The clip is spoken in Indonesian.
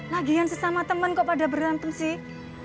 lagian sesama teman kok pada berantem sih